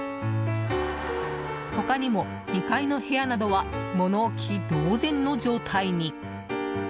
他にも、２階の部屋などは物置同然の状態に。